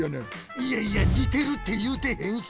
いやいやにてるっていうてへんし！